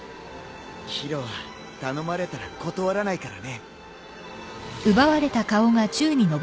宙は頼まれたら断らないからね。